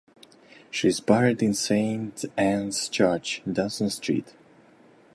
She is buried in Saint Ann's Church, Dawson Street.